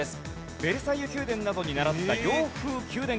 ヴェルサイユ宮殿などにならった洋風宮殿建築。